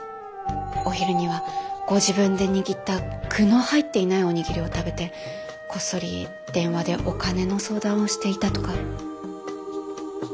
お昼にはご自分で握った具の入っていないおにぎりを食べてこっそり電話でお金の相談をしていたとか。